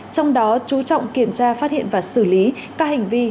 trong đó chú trọng kiểm tra phát hiện và xử lý các hành vi